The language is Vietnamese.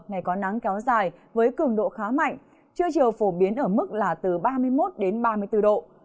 ngày có nắng kéo dài với cường độ khá mạnh trưa chiều phổ biến ở mức là từ ba mươi một đến ba mươi bốn độ